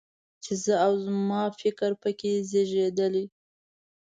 چې زه او زما فکر په کې زېږېدلی.